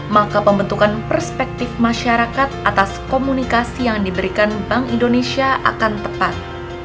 maka pembentukan perspektif masyarakat atas komunikasi yang diberikan bank indonesia akan tepat